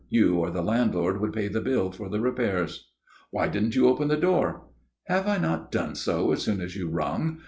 You or the landlord would pay the bill for the repairs." "Why didn't you open the door?" "Have I not done so as soon as you rung?